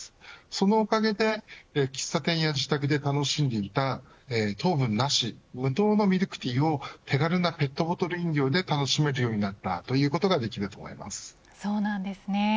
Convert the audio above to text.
そのおかげで喫茶店や自宅で楽しんでいた糖分なし、無糖のミルクティーを手軽なペットボトル飲料で楽しめるようになったそうなんですね。